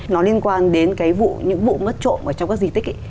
nó liên quan đến cái vụ những vụ mất trộm ở trong các di tích ấy